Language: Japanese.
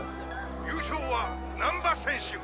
優勝は難波選手。